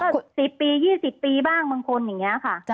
ก็๑๐ปี๒๐ปีบ้างบางคนอย่างนี้ค่ะ